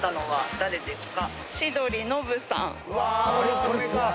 誰ですか？